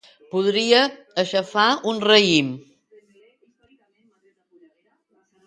Podria aixafar un raïm!!.